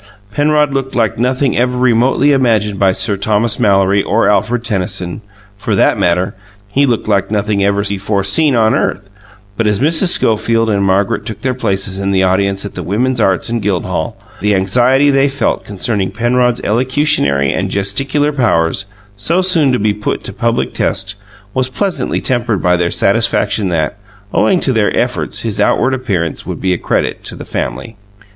Penrod looked like nothing ever remotely imagined by Sir Thomas Malory or Alfred Tennyson; for that matter, he looked like nothing ever before seen on earth; but as Mrs. Schofield and Margaret took their places in the audience at the Women's Arts and Guild Hall, the anxiety they felt concerning Penrod's elocutionary and gesticular powers, so soon to be put to public test, was pleasantly tempered by their satisfaction that, owing to their efforts, his outward appearance would be a credit to the family.